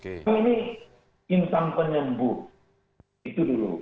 ini insan penyembuh itu dulu